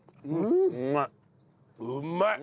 うまい。